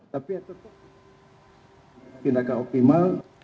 tapi itu tidak optimal